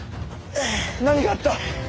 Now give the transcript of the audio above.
何があった？